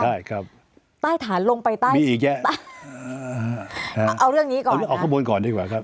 ใช่ครับมีอีแยะเอาเรื่องนี้ก่อนเอาข้างบนก่อนดีกว่าครับ